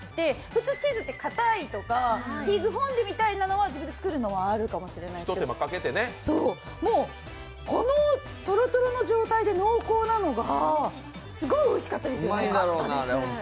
ふつうチーズってかたいとか、チーズフォンデュみたいなのは自分で作るのはあるかもしれないですけど、このとろとろの状態で濃厚なのがすごいおいしかったですよね。